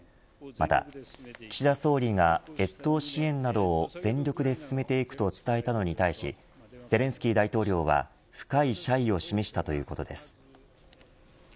また岸田総理が越冬支援などを全力で進めていくと伝えたのに対しゼレンスキー大統領は深い謝意を示したということです。